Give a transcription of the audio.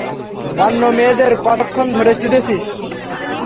অন্য মেয়েদের কতক্ষণ ধরে চুদেছিস?